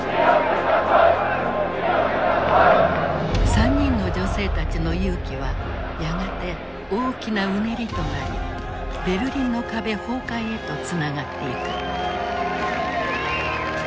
３人の女性たちの勇気はやがて大きなうねりとなりベルリンの壁崩壊へとつながっていく。